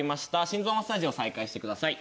心臓マッサージを再開してください。